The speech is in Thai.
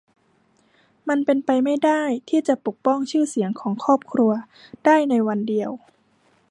มันเป็นไปไม่ได้ที่จะปกป้องชื่อเสียงของครอบครัวได้ในวันเดียว